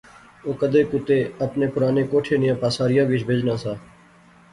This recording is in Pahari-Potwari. او کدے کُتے اپنے پرانے کوٹھے نیاں پاساریا وچ بہجنا سا